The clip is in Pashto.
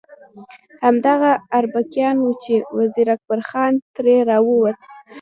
همدغه اربکیان وو چې وزیر اکبر خان ترې راووت.